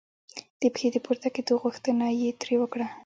د پښې د پورته کېدو غوښتنه یې ترې وکړه.